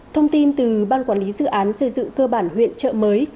thông tin từ ban quản lý dự án xây dựng cơ bản huyện trợ mới